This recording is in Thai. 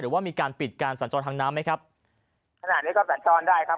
ว่ามีการปิดการสัญจรทางน้ำไหมครับขนาดนี้ก็สัญจรได้ครับ